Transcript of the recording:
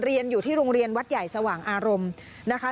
เรียนอยู่ที่โรงเรียนวัดใหญ่สว่างอารมณ์นะคะ